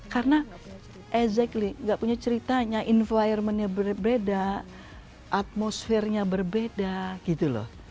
karena enggak punya ceritanya environmentnya berbeda atmosfernya berbeda gitu loh